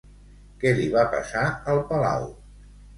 Què li va passar al palau?